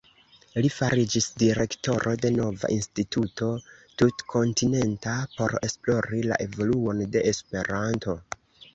Li fariĝis direktoro de nova instituto tutkontinenta, por esplori la evoluon de Esperanto.